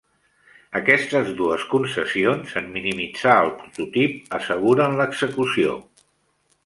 Aquestes dues concessions en minimitzar el prototip asseguren l'execució.